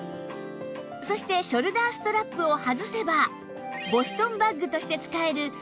そしてショルダーストラップを外せばボストンバッグとして使える